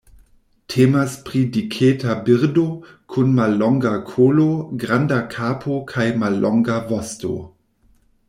Temas pri diketa birdo, kun mallonga kolo, granda kapo kaj mallonga vosto.